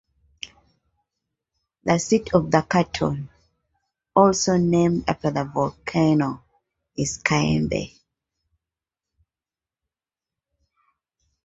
The seat of the canton, also named after the volcano, is Cayambe.